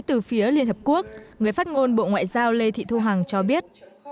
từ phía liên hợp quốc người phát ngôn bộ ngoại giao lê thị thu hằng cho biết